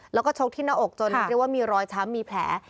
แล้วก็ชกที่หน้าอกจนเรียกว่ามีรอยช้ำมีแผล